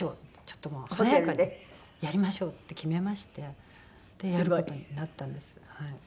ちょっともう華やかにやりましょうって決めましてやる事になったんですはい。